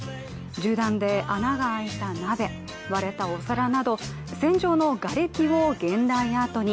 銃弾で穴があいた鍋、割れたお皿など戦場のがれきを現代アートに。